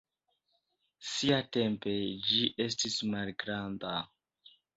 Siatempe ĝi estis malgranda.